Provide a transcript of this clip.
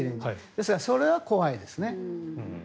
ですがそれは怖いです。